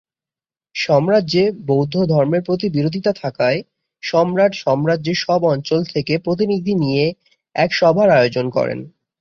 সাম্রাজ্যে বৌদ্ধ ধর্মের প্রতি বিরোধিতা থাকায় সম্রাট সাম্রাজ্যের সব অঞ্চল থেকে প্রতিনিধি নিয়ে এক সভার আয়োজন করেন।